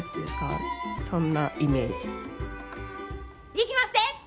いきまっせ！